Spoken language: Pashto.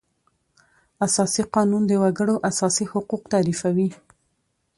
اساسي قانون د وکړو اساسي حقوق تعریفوي.